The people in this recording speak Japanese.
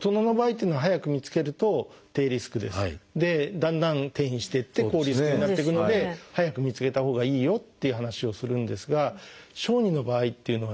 だんだん転移していって高リスクになっていくので早く見つけたほうがいいよっていう話をするんですが小児の場合っていうのはですね